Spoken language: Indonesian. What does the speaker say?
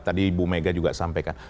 tadi ibu mega juga sampaikan